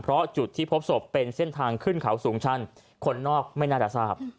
เพราะจุดที่พบศพเป็นเส้นทางขึ้นเขาสูงชันคนนอกไม่น่าจะทราบ